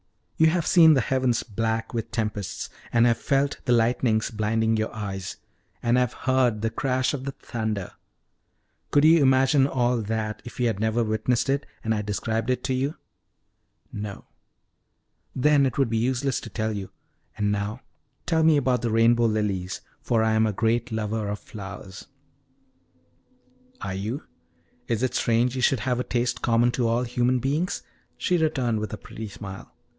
"You have seen the heavens black with tempests, and have felt the lightnings blinding your eyes, and have heard the crash of the thunder: could you imagine all that if you had never witnessed it, and I described it to you?" "No." "Then it would be useless to tell you. And now tell me about the rainbow lilies, for I am a great lover of flowers." "Are you? Is it strange you should have a taste common to all human beings?" she returned with a pretty smile.